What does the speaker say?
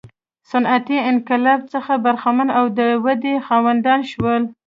صنعتي انقلاب څخه برخمن او د ودې خاوندان شول.